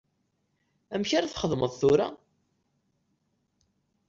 Amek ara txedmeḍ tura?